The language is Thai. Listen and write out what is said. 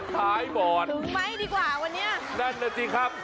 นั่นแหละจริงครับ